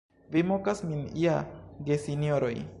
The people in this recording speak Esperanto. Vi mokas min ja, gesinjoroj!